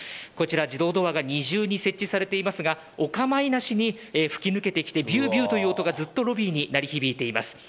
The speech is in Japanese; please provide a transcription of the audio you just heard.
自動ドアが二重に設置されていますがお構いなしに吹き抜けてびゅーびゅーという音がロビーに鳴り響いています。